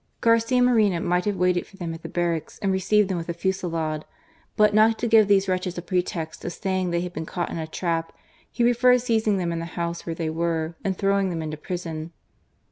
Garcia Moreno might have waited for them at the barracks and received them with a fusillade ; but not to give these wretches a pretext of saying they had been caught in a trap, he preferred seizing them in the house where they were, and throwing them into prison.